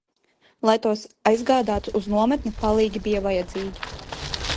Lai tos aizgādātu uz nometni, palīgi bija vajadzīgi!